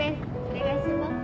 お願いします。